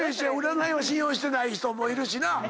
占いは信用してない人もいるしな。